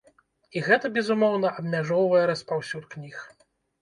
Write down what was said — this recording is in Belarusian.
І гэта, безумоўна, абмяжоўвае распаўсюд кніг.